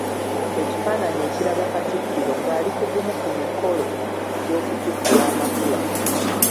Ekifaananyi ekiraga Katikkiro nga ali ku gumu ku mikolo gy’okutikkula amakula.